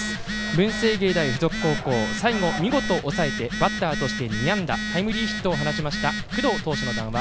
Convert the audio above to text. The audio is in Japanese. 文星芸大付属高校最後、見事抑えてバッターとして２安打タイムリーヒットを放ちました工藤投手の談話